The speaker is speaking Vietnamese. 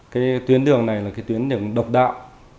cái tuyến đường này là cái tuyến đường độc đạo